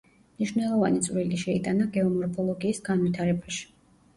მნიშვნელოვანი წვლილი შეიტანა გეომორფოლოგიის განვითარებაში.